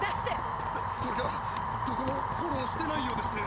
そっそれがどこもフォローしてないようでして。